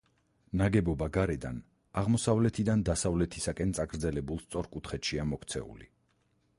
ნაგებობა გარედან აღმოსავლეთიდან დასავლეთისაკენ წაგრძელებულ სწორკუთხედშია მოქცეული.